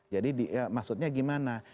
jadi maksudnya gimana